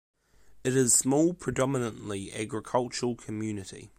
It is small predominantly agricultural community.